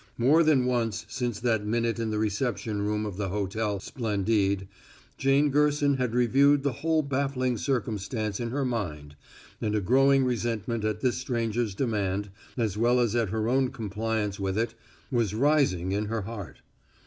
More than once since that minute in the reception room of the Hotel Splendide Jane Gerson had reviewed the whole baffling circumstance in her mind and a growing resentment at this stranger's demand, as well as at her own compliance with it, was rising in her heart.